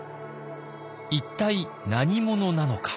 一体何者なのか。